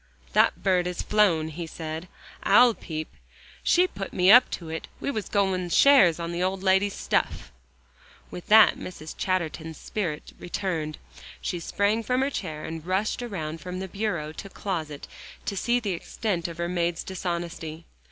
"That bird has flown," he said. "I'll peep. She put me up to it; we was goin' shares on the old lady's stuff." With that Mrs. Chatterton's spirit returned. She sprang from her chair, and rushed around from bureau to closet to see the extent of her maid's dishonesty.